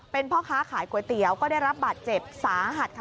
เป็นพ่อค้าขายก๋วยเตี๋ยวก็ได้รับบาดเจ็บสาหัสค่ะ